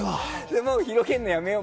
もう広げるのやめよう。